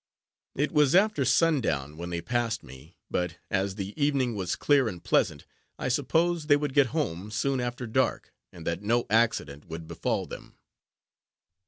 It was after sundown when they passed me; but, as the evening was clear and pleasant, I supposed they would get home soon after dark, and that no accident would befall them.